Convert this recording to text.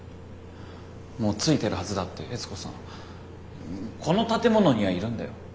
もう着いてるはずだって悦子さん。この建物にはいるんだよ。